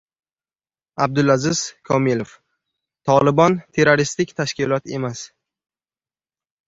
Abdulaziz Kamilov: «Tolibon» — terroristik tashkilot emas"